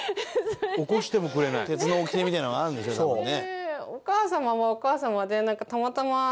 鉄の掟みたいなのがあるんでしょ多分ね。